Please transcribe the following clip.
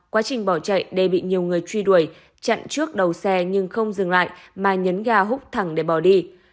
quá trình bỏ chạy đê bị nhiều người truy đuổi chặn trước đầu xe nhưng không dừng lại mà nhấn ga hút thẳng để bỏ đi